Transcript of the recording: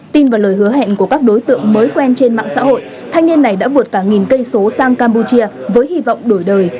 tin vào lời hứa hẹn của các đối tượng mới quen trên mạng xã hội thanh niên này đã vượt cả nghìn cây số sang campuchia với hy vọng đổi đời